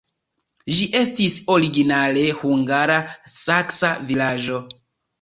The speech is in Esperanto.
Ĝi estis originale hungara-saksa vilaĝo.